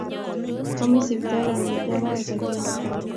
Komi siptali kongete arawet agenge